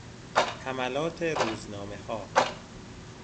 حملات روزنامهها